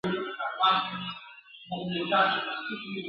خو له خیاله په کاږه مغزي روان وي !.